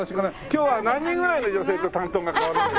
今日は何人ぐらいの女性と担当が変わるんですか？